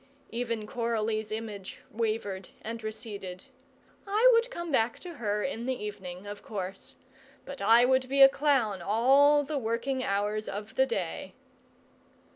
Even Coralie's image wavered and receded. I would come back to her in the evening, of course; but I would be a clown all the working hours of the day.